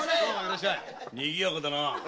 にぎやかだな。